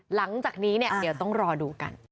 หลังจากนี้เนี่ยเดี๋ยวต้องรอดูกัน